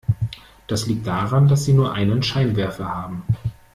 Das liegt daran, dass sie nur einen Scheinwerfer haben.